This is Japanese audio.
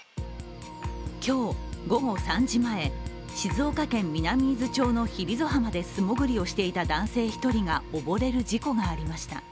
今日、午後３時前、静岡県南伊豆町のヒリゾ浜で素もぐりをしていた男性１人が溺れる事故がありました。